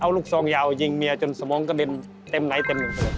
เอาลูกซองยาวยิงเมียจนสมองกระเด็นเต็มไหนเต็มหนึ่ง